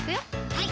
はい